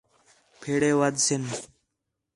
پھیڑے ودھ سِن